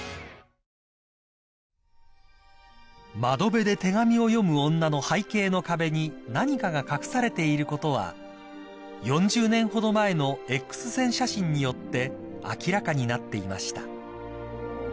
［『窓辺で手紙を読む女』の背景の壁に何かが隠されていることは４０年ほど前のエックス線写真によって明らかになっていました］